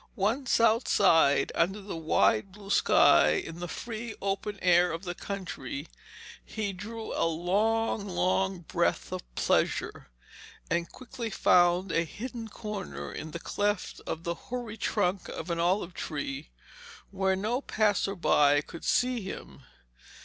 Once outside, under the wide blue sky in the free open air of the country, he drew a long, long breath of pleasure, and quickly found a hidden corner in the cleft of the hoary trunk of an olive tree, where no passer by could see him.